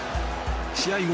試合後